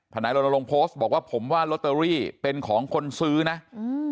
นายรณรงค์โพสต์บอกว่าผมว่าลอตเตอรี่เป็นของคนซื้อนะอืม